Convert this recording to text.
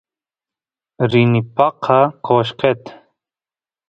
rini paqa qoshqet